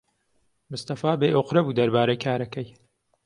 مستەفا بێئۆقرە بوو دەربارەی کارەکەی.